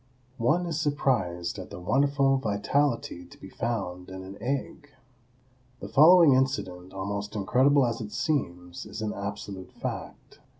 One is surprised at the wonderful vitality to be found in an egg. The following incident, almost incredible as it seems, is an absolute fact.